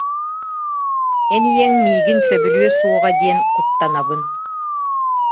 Эн ийэҥ миигин сөбүлүө суоҕа диэн куттанабын